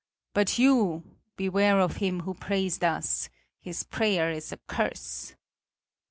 But you beware of him who prays thus; his prayer is a curse!"